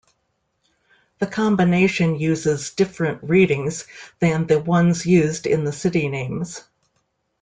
The combination uses different readings than the ones used in the city names.